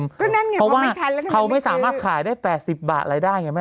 ก็นั่นไงเพราะว่าเขาไม่สามารถขายได้๘๐บาทรายได้ไงแม่